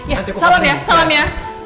ya salam ya salam ya